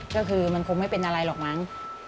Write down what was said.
ก็คือมันคงไม่เป็นอะไรหรอกมั้ง